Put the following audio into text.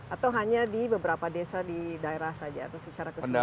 atau hanya di beberapa desa di daerah saja atau secara keseluruhan